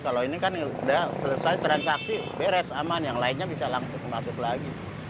kalau ini kan sudah selesai transaksi beres aman yang lainnya bisa langsung masuk lagi